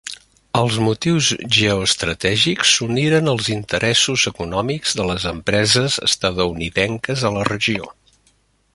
Als motius geoestratègics s'uniren els interessos econòmics de les empreses estatunidenques a la regió.